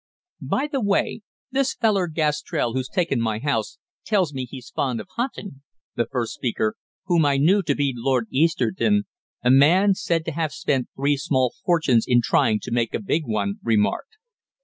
"By the way, this feller Gastrell who's taken my house tells me he's fond of huntin'," the first speaker whom I knew to be Lord Easterton, a man said to have spent three small fortunes in trying to make a big one remarked.